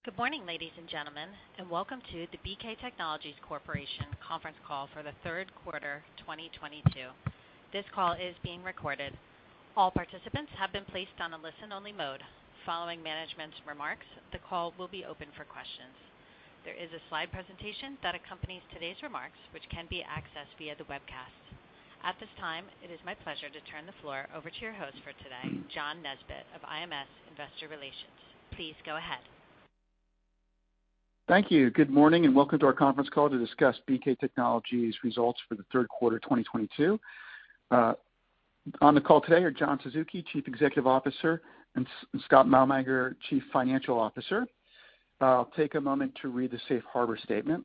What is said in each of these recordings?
Good morning, ladies and gentlemen, and welcome to the BK Technologies Corporation conference call for the third quarter 2022. This call is being recorded. All participants have been placed on a listen-only mode. Following management's remarks, the call will be open for questions. There is a slide presentation that accompanies today's remarks, which can be accessed via the webcast. At this time, it is my pleasure to turn the floor over to your host for today, John Nesbett of IMS Investor Relations. Please go ahead. Thank you. Good morning, and welcome to our conference call to discuss BK Technologies results for the third quarter of 2022. On the call today are John Suzuki, Chief Executive Officer, and Scott Malmanger, Chief Financial Officer. I'll take a moment to read the safe harbor statement.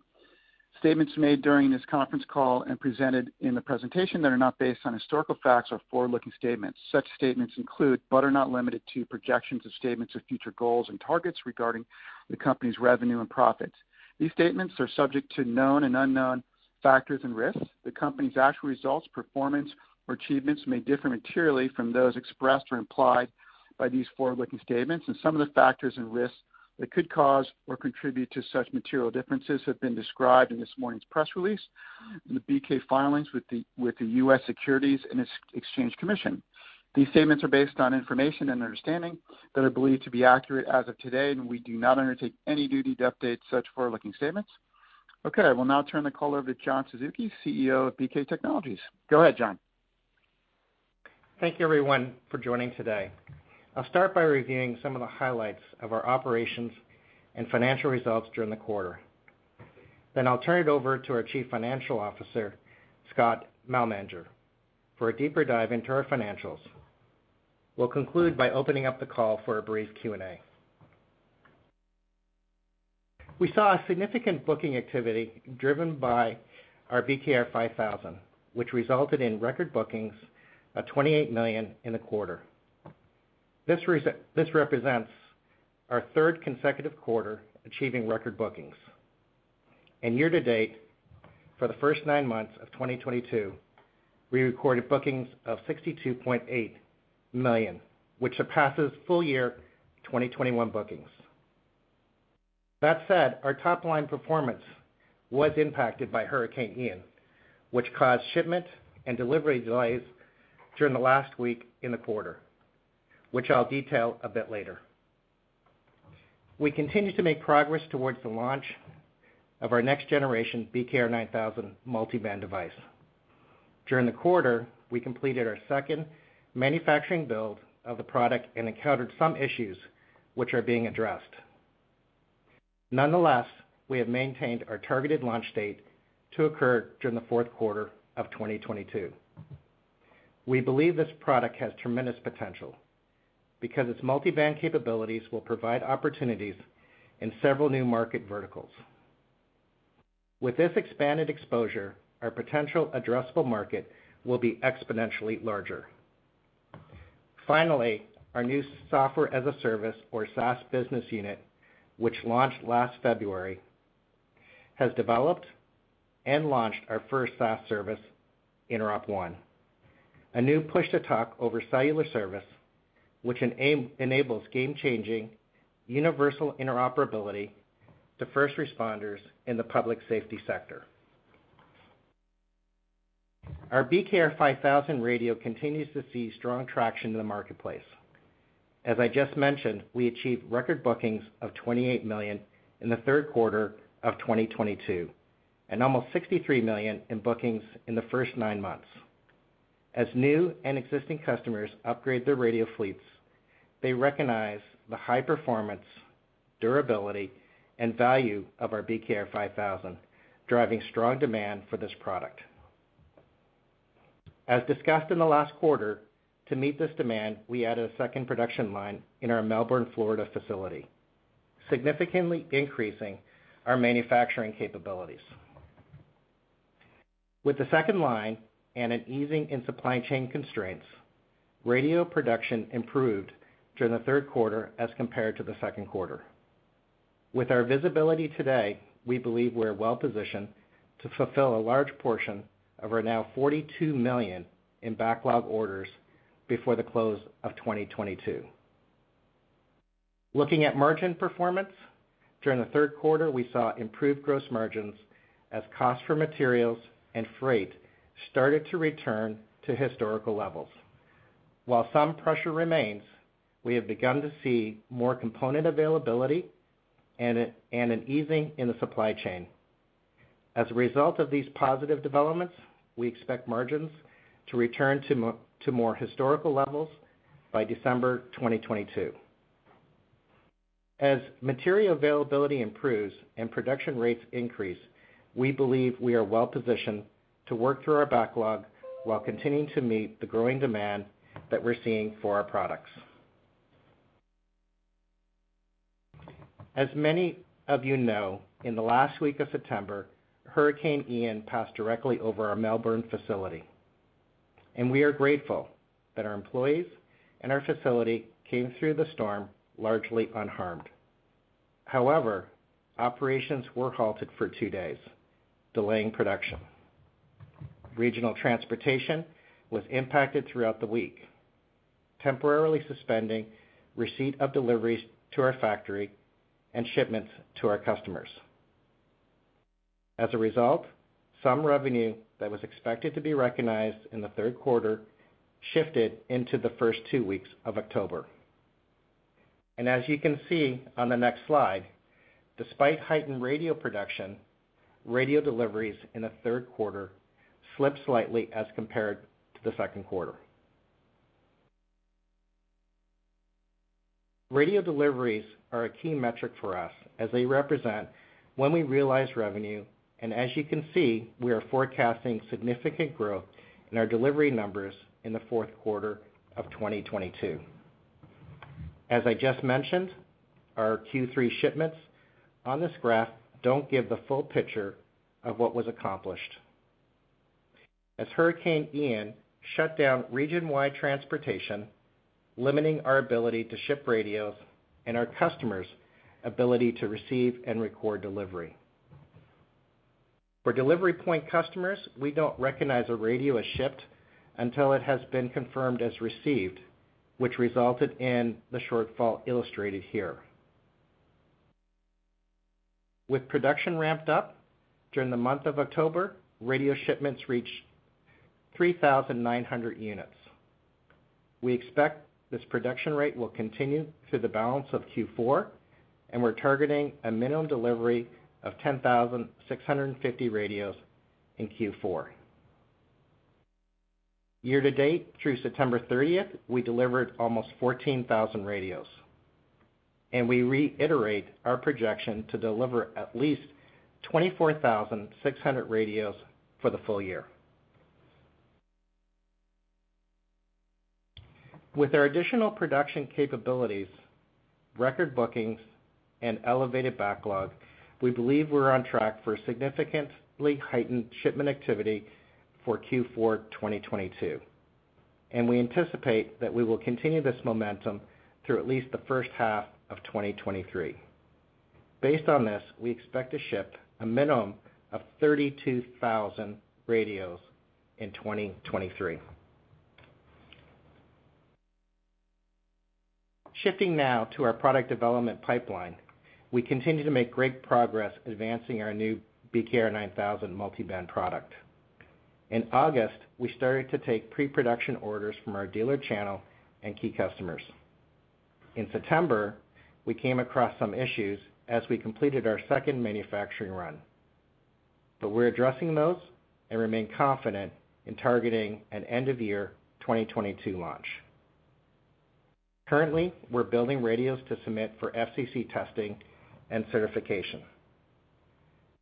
Statements made during this conference call and presented in the presentation that are not based on historical facts are forward-looking statements. Such statements include, but are not limited to, projections of statements of future goals and targets regarding the company's revenue and profit. These statements are subject to known and unknown factors and risks. The company's actual results, performance, or achievements may differ materially from those expressed or implied by these forward-looking statements, and some of the factors and risks that could cause or contribute to such material differences have been described in this morning's press release and the BK filings with the U.S. Securities and Exchange Commission. These statements are based on information and understanding that are believed to be accurate as of today, and we do not undertake any duty to update such forward-looking statements. Okay, I will now turn the call over to John Suzuki, CEO of BK Technologies. Go ahead, John. Thank you, everyone, for joining today. I'll start by reviewing some of the highlights of our operations and financial results during the quarter. Then I'll turn it over to our Chief Financial Officer, Scott Malmanger, for a deeper dive into our financials. We'll conclude by opening up the call for a brief Q&A. We saw a significant booking activity driven by our BKR5000, which resulted in record bookings of $28 million in the quarter. This represents our third consecutive quarter achieving record bookings. Year to date, for the first nine months of 2022, we recorded bookings of $62.8 million, which surpasses full year 2021 bookings. That said, our top-line performance was impacted by Hurricane Ian, which caused shipment and delivery delays during the last week in the quarter, which I'll detail a bit later. We continue to make progress towards the launch of our next generation BKR9000 multiband device. During the quarter, we completed our second manufacturing build of the product and encountered some issues which are being addressed. Nonetheless, we have maintained our targeted launch date to occur during the fourth quarter of 2022. We believe this product has tremendous potential because its multiband capabilities will provide opportunities in several new market verticals. With this expanded exposure, our potential addressable market will be exponentially larger. Finally, our new software as a service or SaaS business unit, which launched last February, has developed and launched our first SaaS service, InteropONE, a new push-to-talk over cellular service, which enables game-changing universal interoperability to first responders in the public safety sector. Our BKR5000 radio continues to see strong traction in the marketplace. As I just mentioned, we achieved record bookings of $28 million in the third quarter of 2022, and almost $63 million in bookings in the first nine months. As new and existing customers upgrade their radio fleets, they recognize the high performance, durability, and value of our BKR5000, driving strong demand for this product. As discussed in the last quarter, to meet this demand, we added a second production line in our Melbourne, Florida facility, significantly increasing our manufacturing capabilities. With the second line and an easing in supply chain constraints, radio production improved during the third quarter as compared to the second quarter. With our visibility today, we believe we're well-positioned to fulfill a large portion of our now $42 million in backlog orders before the close of 2022. Looking at margin performance, during the third quarter, we saw improved gross margins as cost for materials and freight started to return to historical levels. While some pressure remains, we have begun to see more component availability and an easing in the supply chain. As a result of these positive developments, we expect margins to return to more historical levels by December 2022. As material availability improves and production rates increase, we believe we are well-positioned to work through our backlog while continuing to meet the growing demand that we're seeing for our products. As many of you know, in the last week of September, Hurricane Ian passed directly over our Melbourne facility, and we are grateful that our employees and our facility came through the storm largely unharmed. However, operations were halted for two days, delaying production. Regional transportation was impacted throughout the week, temporarily suspending receipt of deliveries to our factory and shipments to our customers. As a result, some revenue that was expected to be recognized in the third quarter shifted into the first two weeks of October. As you can see on the next slide, despite heightened radio production, radio deliveries in the third quarter slipped slightly as compared to the second quarter. Radio deliveries are a key metric for us as they represent when we realize revenue, and as you can see, we are forecasting significant growth in our delivery numbers in the fourth quarter of 2022. As I just mentioned, our Q3 shipments on this graph don't give the full picture of what was accomplished. As Hurricane Ian shut down region-wide transportation, limiting our ability to ship radios and our customers' ability to receive and record delivery. For delivery point customers, we don't recognize a radio as shipped until it has been confirmed as received, which resulted in the shortfall illustrated here. With production ramped up during the month of October, radio shipments reached 3,900 units. We expect this production rate will continue through the balance of Q4, and we're targeting a minimum delivery of 10,650 radios in Q4. Year-to-date through September thirtieth, we delivered almost 14,000 radios, and we reiterate our projection to deliver at least 24,600 radios for the full year. With our additional production capabilities, record bookings, and elevated backlog, we believe we're on track for significantly heightened shipment activity for Q4 2022, and we anticipate that we will continue this momentum through at least the first half of 2023. Based on this, we expect to ship a minimum of 32,000 radios in 2023. Shifting now to our product development pipeline, we continue to make great progress advancing our new BKR-9000 multi-band product. In August, we started to take pre-production orders from our dealer channel and key customers. In September, we came across some issues as we completed our second manufacturing run. We're addressing those and remain confident in targeting an end of year 2022 launch. Currently, we're building radios to submit for FCC testing and certification.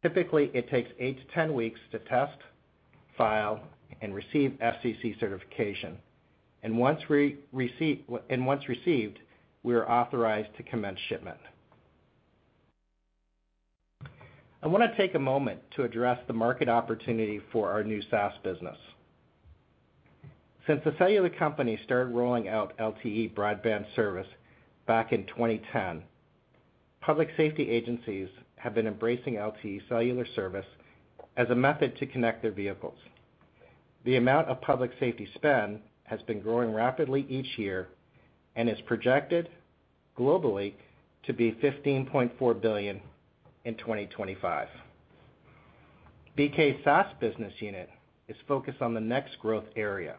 Typically, it takes eight to 10 weeks to test, file, and receive FCC certification. Once received, we are authorized to commence shipment. I want to take a moment to address the market opportunity for our new SaaS business. Since the cellular company started rolling out LTE broadband service back in 2010, public safety agencies have been embracing LTE cellular service as a method to connect their vehicles. The amount of public safety spend has been growing rapidly each year and is projected globally to be $15.4 billion in 2025. BK's SaaS business unit is focused on the next growth area,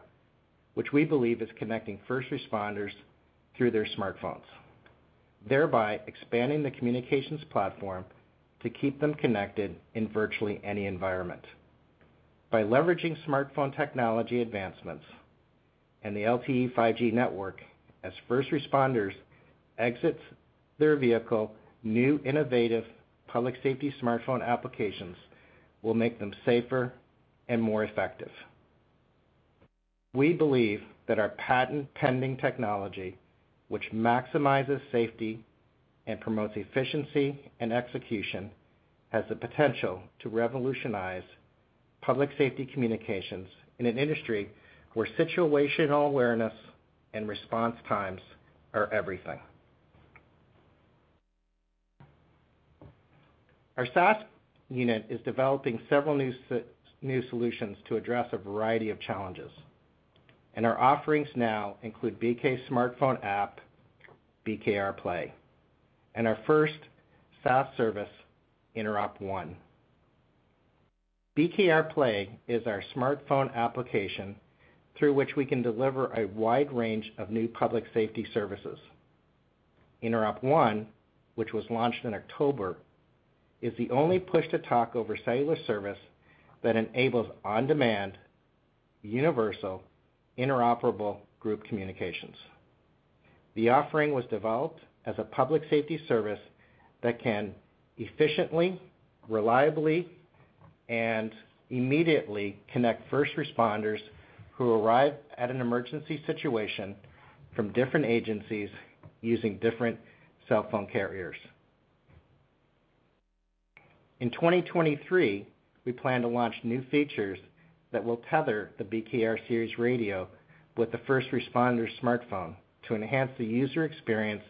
which we believe is connecting first responders through their smartphones, thereby expanding the communications platform to keep them connected in virtually any environment. By leveraging smartphone technology advancements and the LTE, 5G network as first responders exit their vehicle, new innovative public safety smartphone applications will make them safer and more effective. We believe that our patent-pending technology, which maximizes safety and promotes efficiency and execution, has the potential to revolutionize public safety communications in an industry where situational awareness and response times are everything. Our SaaS unit is developing several new solutions to address a variety of challenges, and our offerings now include BK's smartphone app, BKRplay, and our first SaaS service, InteropONE. BKRplay is our smartphone application through which we can deliver a wide range of new public safety services. InteropONE, which was launched in October, is the only push-to-talk over cellular service that enables on-demand, universal, interoperable group communications. The offering was developed as a public safety service that can efficiently, reliably, and immediately connect first responders who arrive at an emergency situation from different agencies using different cell phone carriers. In 2023, we plan to launch new features that will tether the BKR Series radio with the first responder's smartphone to enhance the user experience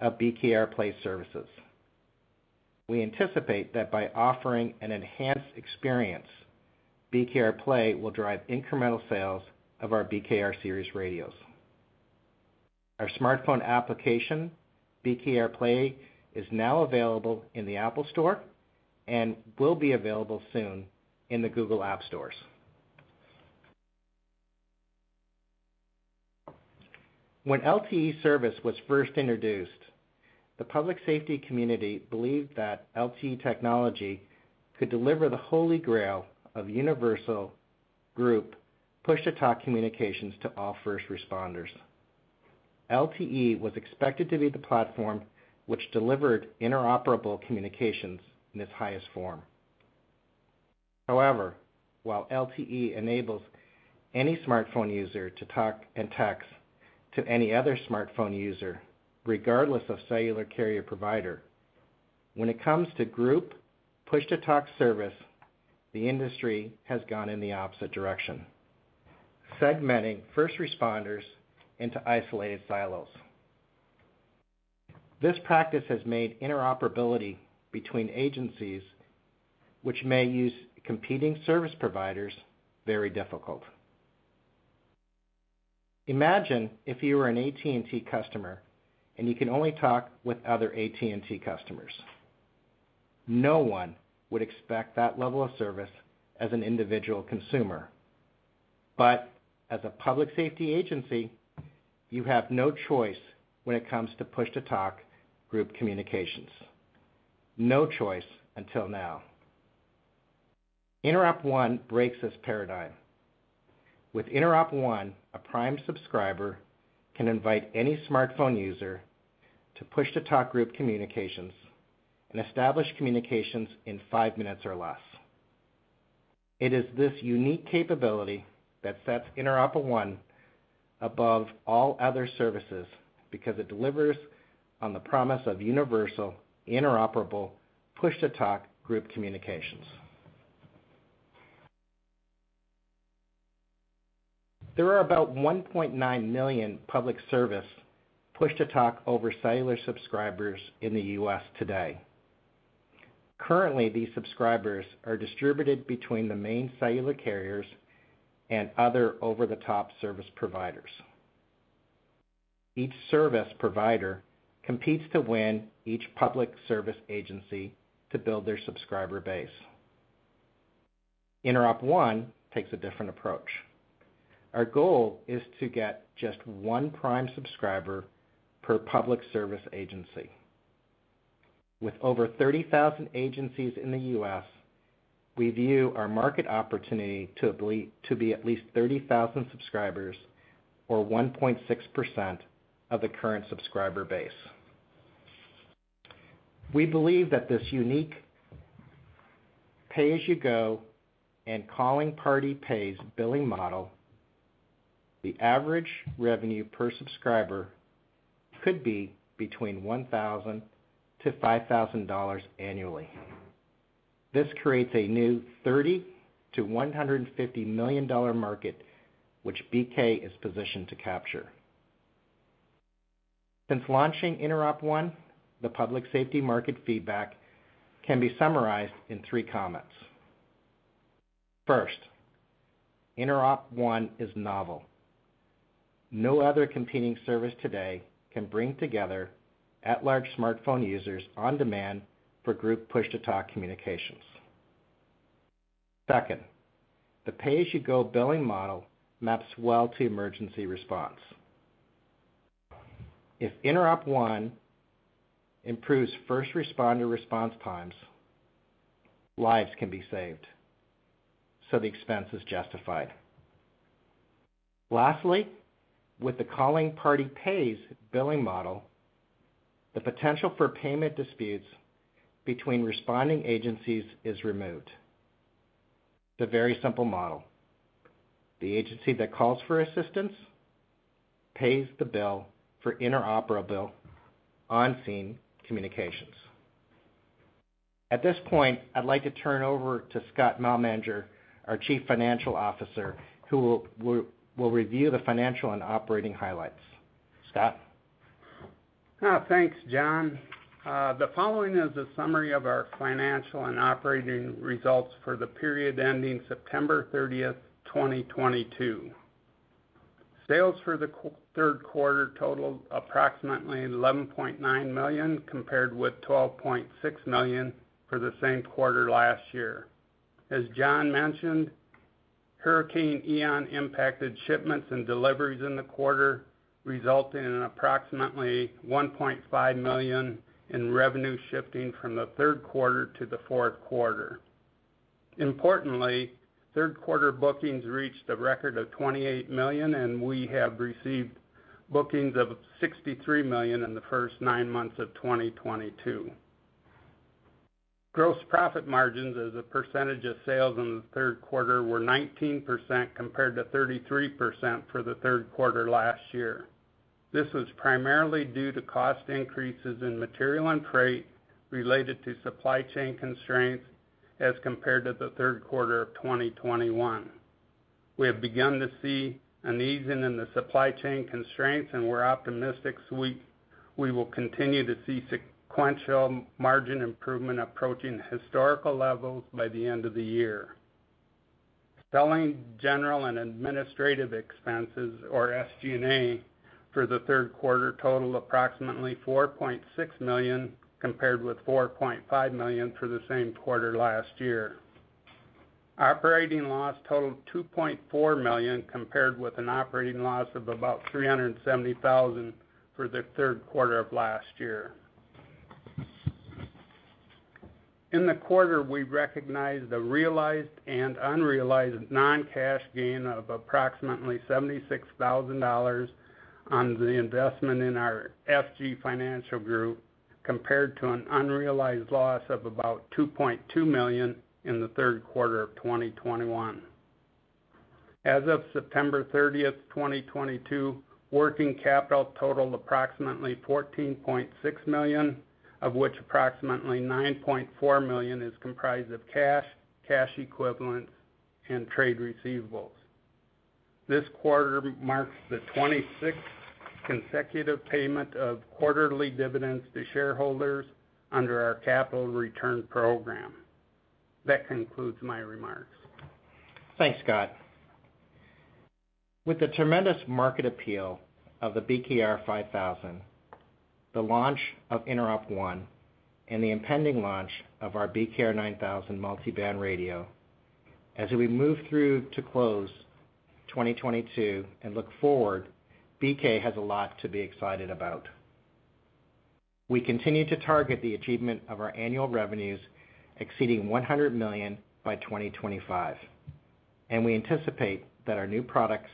of BKRplay services. We anticipate that by offering an enhanced experience, BKRplay will drive incremental sales of our BKR Series radios. Our smartphone application, BKRplay, is now available in the App Store and will be available soon in the Google Play Store. When LTE service was first introduced, the public safety community believed that LTE technology could deliver the holy grail of universal group push-to-talk communications to all first responders. LTE was expected to be the platform which delivered interoperable communications in its highest form. However, while LTE enables any smartphone user to talk and text to any other smartphone user, regardless of cellular carrier provider, when it comes to group push-to-talk service, the industry has gone in the opposite direction, segmenting first responders into isolated silos. This practice has made interoperability between agencies which may use competing service providers very difficult. Imagine if you were an AT&T customer and you can only talk with other AT&T customers. No one would expect that level of service as an individual consumer. As a public safety agency, you have no choice when it comes to push-to-talk group communications. No choice until now. InteropONE breaks this paradigm. With InteropONE, a prime subscriber can invite any smartphone user to push-to-talk group communications and establish communications in five minutes or less. It is this unique capability that sets InteropONE above all other services because it delivers on the promise of universal, interoperable push-to-talk group communications. There are about 1.9 million public service push-to-talk over cellular subscribers in the U.S. today. Currently, these subscribers are distributed between the main cellular carriers and other over-the-top service providers. Each service provider competes to win each public service agency to build their subscriber base. InteropONE takes a different approach. Our goal is to get just one prime subscriber per public service agency. With over 30,000 agencies in the U.S., we view our market opportunity to be at least 30,000 subscribers or 1.6% of the current subscriber base. We believe that this unique pay-as-you-go and calling party pays billing model, the average revenue per subscriber could be between $1,000-$5,000 dollars annually. This creates a new $30 million-$150 million market which BK is positioned to capture. Since launching InteropONE, the public safety market feedback can be summarized in three comments. First, InteropONE is novel. No other competing service today can bring together a large smartphone users on demand for group push-to-talk communications. Second, the pay-as-you-go billing model maps well to emergency response. If InteropONE improves first responder response times, lives can be saved, so the expense is justified. Lastly, with the calling party pays billing model, the potential for payment disputes between responding agencies is removed. It's a very simple model. The agency that calls for assistance pays the bill for interoperable on-scene communications. At this point, I'd like to turn over to Scott Malmanger, our Chief Financial Officer, who will review the financial and operating highlights. Scott? Thanks, John. The following is a summary of our financial and operating results for the period ending September 30, 2022. Sales for the third quarter totaled approximately $11.9 million, compared with $12.6 million for the same quarter last year. As John mentioned, Hurricane Ian impacted shipments and deliveries in the quarter, resulting in approximately $1.5 million in revenue shifting from the third quarter to the fourth quarter. Importantly, third quarter bookings reached a record of $28 million, and we have received bookings of $63 million in the first nine months of 2022. Gross profit margins as a percentage of sales in the third quarter were 19% compared to 33% for the third quarter last year. This was primarily due to cost increases in material and freight related to supply chain constraints as compared to the third quarter of 2021. We have begun to see an easing in the supply chain constraints, and we're optimistic we will continue to see sequential margin improvement approaching historical levels by the end of the year. Selling, general, and administrative expenses, or SG&A, for the third quarter totaled approximately $4.6 million, compared with $4.5 million for the same quarter last year. Operating loss totaled $2.4 million, compared with an operating loss of about $370,000 for the third quarter of last year. In the quarter, we recognized a realized and unrealized non-cash gain of approximately $76 thousand on the investment in our FG Financial Group, compared to an unrealized loss of about $2.2 million in the third quarter of 2021. As of September 30, 2022, working capital totaled approximately $14.6 million, of which approximately $9.4 million is comprised of cash equivalents, and trade receivables. This quarter marks the 26th consecutive payment of quarterly dividends to shareholders under our capital return program. That concludes my remarks. Thanks, Scott. With the tremendous market appeal of the BKR5000, the launch of InteropONE, and the impending launch of our BKR9000 multiband radio, as we move through to close 2022 and look forward, BK has a lot to be excited about. We continue to target the achievement of our annual revenues exceeding $100 million by 2025, and we anticipate that our new products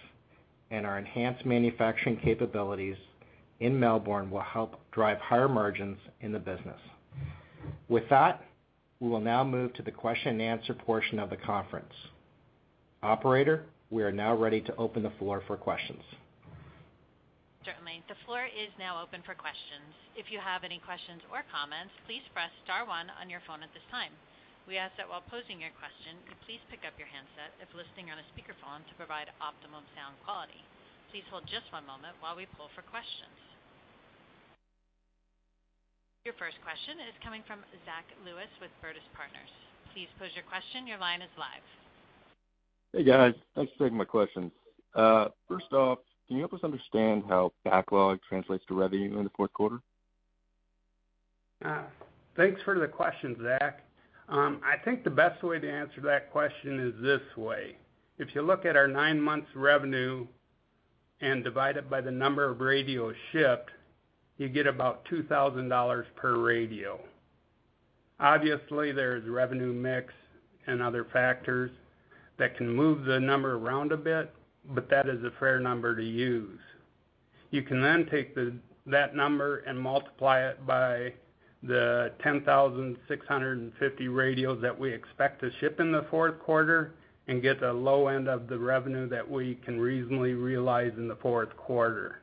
and our enhanced manufacturing capabilities in Melbourne will help drive higher margins in the business. With that, we will now move to the question and answer portion of the conference. Operator, we are now ready to open the floor for questions. Certainly. The floor is now open for questions. If you have any questions or comments, please press star one on your phone at this time. We ask that while posing your question, please pick up your handset if listening on a speakerphone to provide optimum sound quality. Please hold just one moment while we pull for questions. Your first question is coming from Zach Lewis with Bertis Partners. Please pose your question. Your line is live. Hey, guys. Thanks for taking my questions. First off, can you help us understand how backlog translates to revenue in the fourth quarter? Thanks for the question, Zach. I think the best way to answer that question is this way. If you look at our nine months revenue and divide it by the number of radios shipped, you get about $2,000 per radio. Obviously, there's revenue mix and other factors that can move the number around a bit, but that is a fair number to use. You can then take that number and multiply it by the 10,650 radios that we expect to ship in the fourth quarter and get the low end of the revenue that we can reasonably realize in the fourth quarter.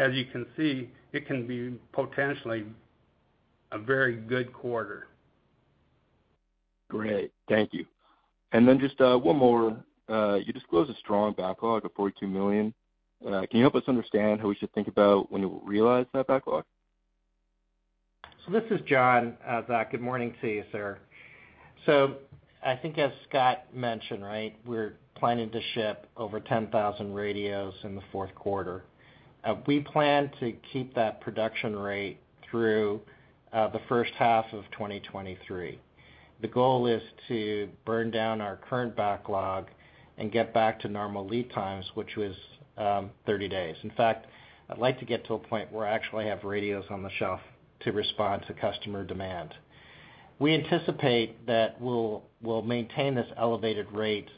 As you can see, it can be potentially a very good quarter. Great. Thank you. Just one more. You disclosed a strong backlog of $42 million. Can you help us understand how we should think about when you'll realize that backlog? This is John. Zach, good morning to you, sir. I think as Scott mentioned, right, we're planning to ship over 10,000 radios in the fourth quarter. We plan to keep that production rate through the first half of 2023. The goal is to burn down our current backlog and get back to normal lead times, which was 30 days. In fact, I'd like to get to a point where I actually have radios on the shelf to respond to customer demand. We anticipate that we'll maintain this elevated rate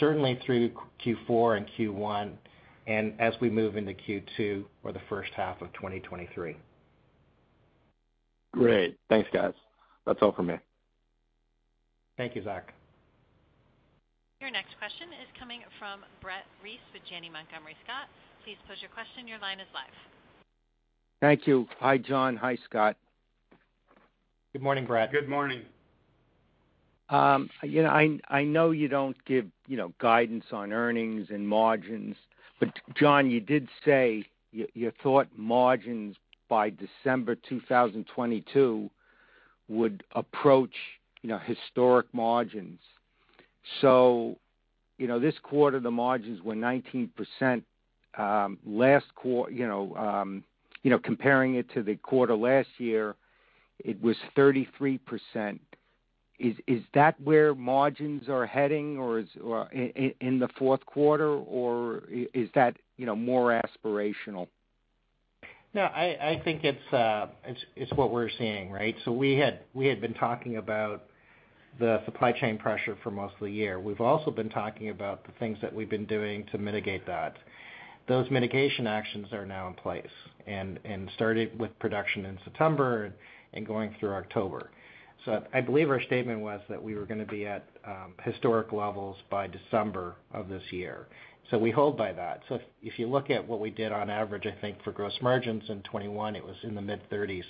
certainly through Q4 and Q1, and as we move into Q2 for the first half of 2023. Great. Thanks, guys. That's all for me. Thank you, Zach. Your next question is coming from Brett Reiss with Janney Montgomery Scott. Please pose your question. Your line is live. Thank you. Hi, John. Hi, Scott. Good morning, Brett. Good morning. You know, I know you don't give, you know, guidance on earnings and margins, but John, you did say you thought margins by December 2022 would approach, you know, historic margins. You know, this quarter, the margins were 19%. Last quarter, you know, comparing it to the quarter last year, it was 33%. Is that where margins are heading, or is in the fourth quarter, or is that, you know, more aspirational? No, I think it's what we're seeing, right? We had been talking about the supply chain pressure for most of the year. We've also been talking about the things that we've been doing to mitigate that. Those mitigation actions are now in place and started with production in September and going through October. I believe our statement was that we were gonna be at historic levels by December of this year. We hold by that. If you look at what we did on average, I think for gross margins in 2021, it was in the mid-30s%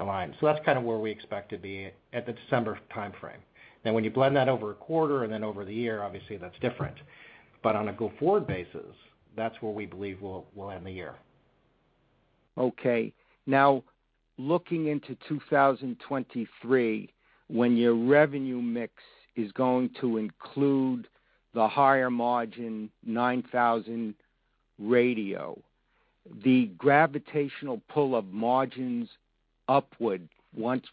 range. That's kind of where we expect to be at the December timeframe. Now, when you blend that over a quarter and then over the year, obviously that's different. On a go-forward basis, that's where we believe we'll end the year. Okay. Now looking into 2023, when your revenue mix is going to include the higher margin nine thousand radio, the gravitational pull of margins upward once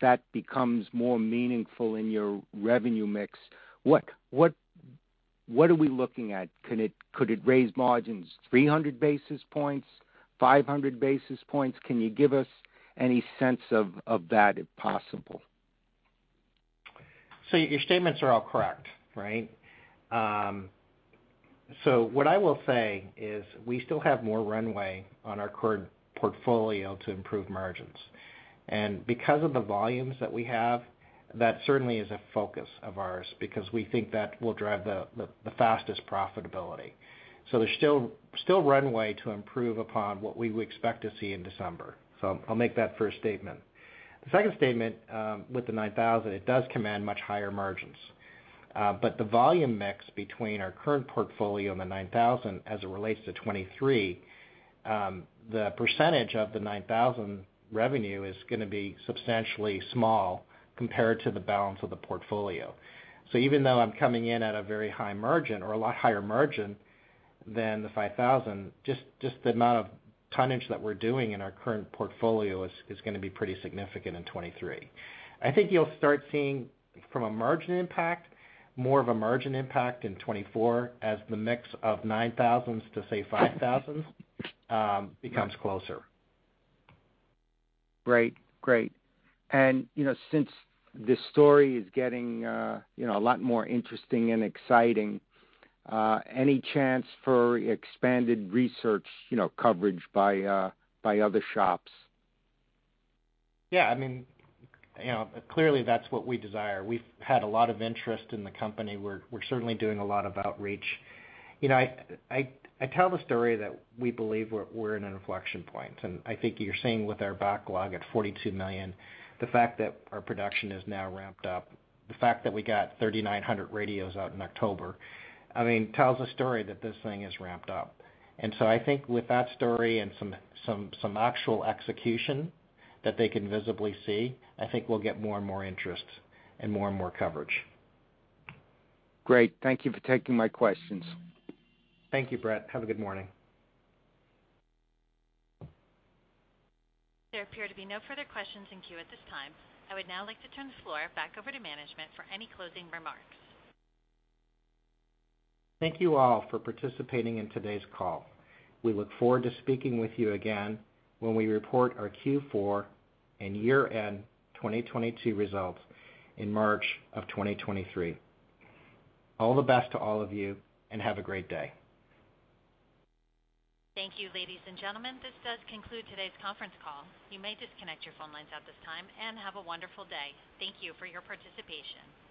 that becomes more meaningful in your revenue mix, what are we looking at? Could it raise margins 300 basis points, 500 basis points? Can you give us any sense of that if possible? Your statements are all correct, right? What I will say is we still have more runway on our current portfolio to improve margins. Because of the volumes that we have, that certainly is a focus of ours because we think that will drive the fastest profitability. There's still runway to improve upon what we would expect to see in December. I'll make that first statement. The second statement, with the nine thousand, it does command much higher margins. But the volume mix between our current portfolio and the nine thousand as it relates to 2023, the percentage of the nine thousand revenue is gonna be substantially small compared to the balance of the portfolio. Even though I'm coming in at a very high margin or a lot higher margin than the 5000, just the amount of tonnage that we're doing in our current portfolio is gonna be pretty significant in 2023. I think you'll start seeing more of a margin impact in 2024 as the mix of 9000s to, say, 5000s, becomes closer. Great. You know, since this story is getting, you know, a lot more interesting and exciting, any chance for expanded research, you know, coverage by other shops? Yeah. I mean, you know, clearly that's what we desire. We've had a lot of interest in the company. We're certainly doing a lot of outreach. You know, I tell the story that we believe we're in an inflection point, and I think you're seeing with our backlog at $42 million, the fact that our production is now ramped up, the fact that we got 3,900 radios out in October, I mean, tells a story that this thing is ramped up. I think with that story and some actual execution that they can visibly see, I think we'll get more and more interest and more and more coverage. Great. Thank you for taking my questions. Thank you, Brett. Have a good morning. There appear to be no further questions in queue at this time. I would now like to turn the floor back over to management for any closing remarks. Thank you all for participating in today's call. We look forward to speaking with you again when we report our Q4 and year-end 2022 results in March of 2023. All the best to all of you, and have a great day. Thank you, ladies and gentlemen. This does conclude today's conference call. You may disconnect your phone lines at this time and have a wonderful day. Thank you for your participation.